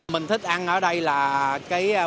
mình thích ăn ở đây là